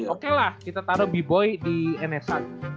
oke lah kita taro bboy di nsh